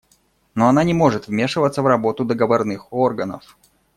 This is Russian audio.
Но она не может вмешиваться в работу договорных органов.